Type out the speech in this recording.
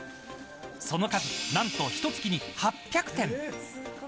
その数なんと、ひと月に８００点。